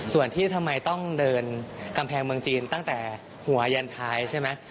ส่วนที่ทำไมต้องเดินกำแพงเมืองจีนตั้งแต่หัวยันท้ายใช่ไหม